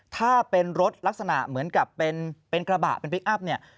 ถ้าเป็นรถลักษณะเหมือนกับเป็นกระบะเป็นพลิกอัพเนี่ย